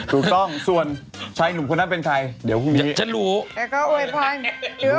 ถูกต้องส่วนชายหนุ่มคนนั้นเป็นใครเดี๋ยวพรุ่งนี้ฉันรู้